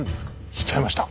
しちゃいました。